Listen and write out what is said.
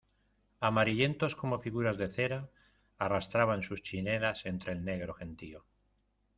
amarillentos como figuras de cera, arrastraban sus chinelas entre el negro gentío